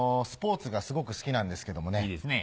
スポーツがすごく好きなんですけどもね。